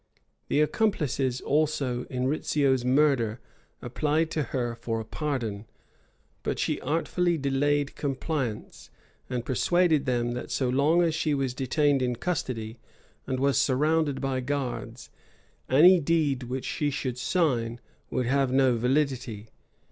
The accomplices also in Rizzio's murder applied to her for a pardon; but she artfully delayed compliance, and persuaded them, that so long as she was detained in custody, and was surrounded by guards, any deed which she should sign would have no validity.